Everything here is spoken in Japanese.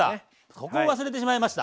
ここを忘れてしまいました。